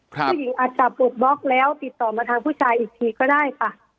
อาจจะปลดบล็อกแล้วติดต่อมาทางผู้ชายอีกทีก็ได้ค่ะ